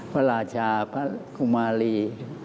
พระราชาพระกุมารี